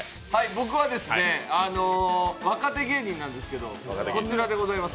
僕は、若手芸人なんですけどこちらでございます。